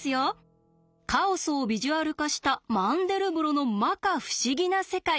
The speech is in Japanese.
カオスをビジュアル化したマンデルブロの摩訶不思議な世界。